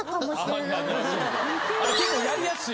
結構やりやすい。